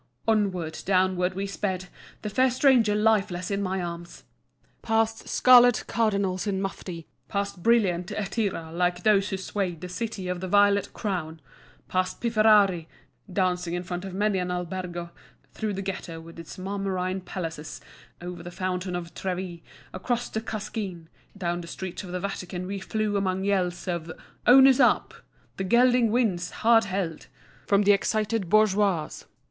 Onward, downward, we sped, the fair stranger lifeless in my arms. Past scarlet cardinals in mufti, past brilliant έτᾶιραὶ like those who swayed the City of the Violet Crown; past pifferari dancing in front of many an albergo; through the Ghetto with its marmorine palaces, over the Fountain of Trevi, across the Cascine, down the streets of the Vatican we flew among yells of "Owner's up," "The gelding wins, hard held," from the excited bourgeoisie.